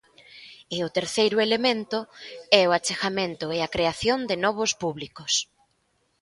E o terceiro elemento é o achegamento e a creación de novos públicos.